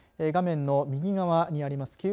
画面の右側にあります